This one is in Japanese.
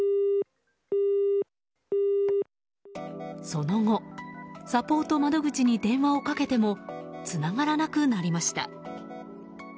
その後、サポート窓口に電話をかけてもつながらなくなりました。